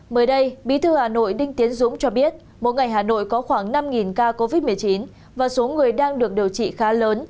mới đây bí thư hà nội đinh tiến dũng cho biết mỗi ngày hà nội có khoảng năm ca covid một mươi chín và số người đang được điều trị khá lớn